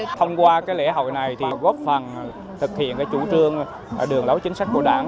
thông qua lễ hội này góp phần thực hiện chủ trương đường lối chính sách của đảng